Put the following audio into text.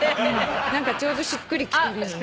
何かちょうどしっくりきてるよね。